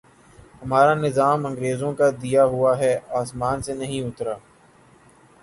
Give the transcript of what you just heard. ہمارا نظام انگریزوں کا دیا ہوا ہے، آسمان سے نہیں اترا۔